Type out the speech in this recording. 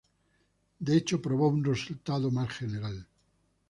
De hecho, probó un resultado más general.